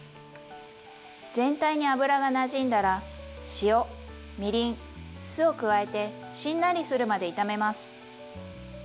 全体に油がなじんだら塩みりん酢を加えてしんなりするまで炒めます。